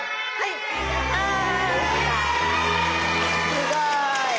すごい。